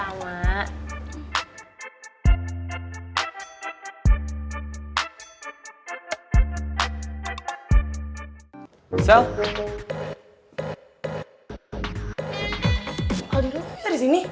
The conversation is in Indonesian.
aldi lo kenapa disini